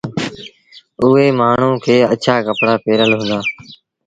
اُئي مآڻهوٚٚݩ کي اڇآ ڪپڙآ پهرل هُݩدآ